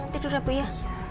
tidur abu ya